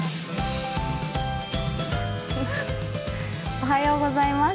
おはようございます。